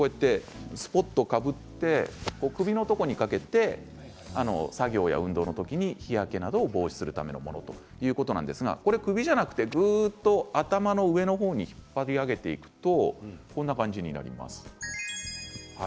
すぽっとかぶって首のところにかけて作業や運動の時に日焼けなどを防止するものなんですがこれは首じゃなくてぐっと頭の方に引っ張り上げていくと写真のようになります。